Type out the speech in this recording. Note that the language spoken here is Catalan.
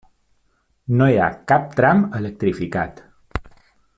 No hi ha cap tram electrificat.